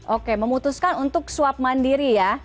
oke memutuskan untuk swab mandiri ya